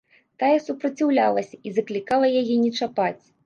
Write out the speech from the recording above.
Тая супраціўлялася і заклікала яе не чапаць.